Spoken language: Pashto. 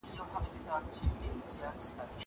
زه پرون نان وخوړل!